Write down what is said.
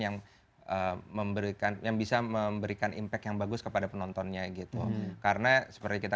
yang memberikan yang bisa memberikan impact yang bagus kepada penontonnya gitu karena seperti kita